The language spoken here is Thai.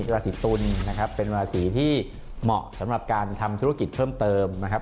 ราศีตุลนะครับเป็นราศีที่เหมาะสำหรับการทำธุรกิจเพิ่มเติมนะครับ